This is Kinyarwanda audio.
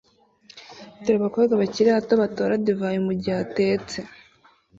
Dore abakobwa bakiri bato batora divayi mugihe atetse